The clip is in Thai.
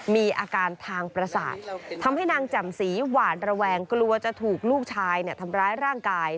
มีอาการทางประสาททำให้นางแจ่มสีหวานระแวงกลัวจะถูกลูกชายทำร้ายร่างกาย